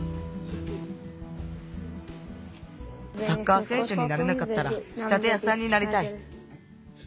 サッカーせん手になれなかったらし立てやさんになりたい。